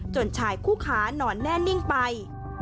ชายคู่ค้านอนแน่นิ่งไป